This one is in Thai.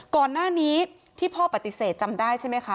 ก่อนหน้านี้ที่พ่อปฏิเสธจำได้ใช่ไหมคะ